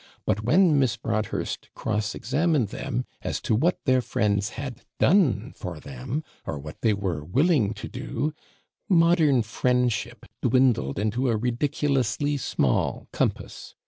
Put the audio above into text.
but when Miss Broadhurst cross examined them, as to what their friends had done for them, or what they were willing to do, modern friendship dwindled into a ridiculously small compass.